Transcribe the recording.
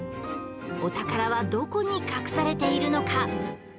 お宝はどこに隠されているのか？